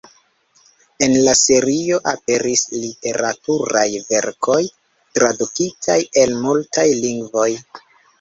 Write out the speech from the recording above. En la serio aperis literaturaj verkoj, tradukitaj el multaj lingvoj.